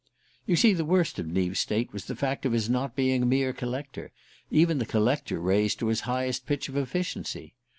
You see, the worst of Neave's state was the fact of his not being a mere collector, even the collector raised to his highest pitch of efficiency.